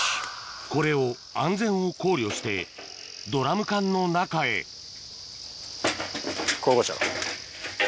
これを安全を考慮してドラム缶の中へこういうことでしょ。